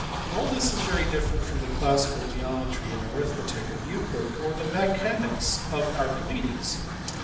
All this is very different from the classical geometry and arithmetic of Euclid, or the mechanics of Archimedes.